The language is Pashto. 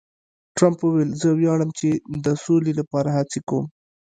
ټرمپ وویل، زه ویاړم چې د سولې لپاره هڅې کوم.